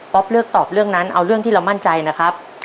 เลือกตอบเรื่องนั้นเอาเรื่องที่เรามั่นใจนะครับ